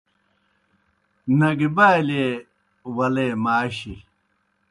نگہبالیے ولے ماشیْ